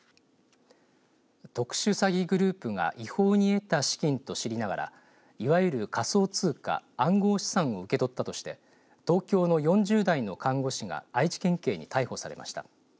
特殊詐欺グループが違法に得た資金と知りながらいわゆる仮想通貨暗号資産を受け取ったとして東京の４０代の看護師が愛知県警に逮捕されました。